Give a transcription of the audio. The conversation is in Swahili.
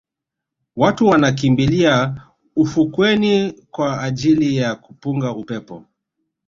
Watu wanakimbilia ufukweni kwa ajili ya kupunga upepo